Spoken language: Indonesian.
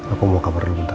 aku mau kabar dulu ntar